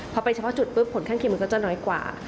พอไปเฉพาะจุดปุ๊บผลข้างเคียงมันก็จะน้อยกว่า